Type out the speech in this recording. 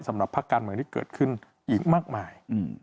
ภาคการเมืองที่เกิดขึ้นอีกมากมาย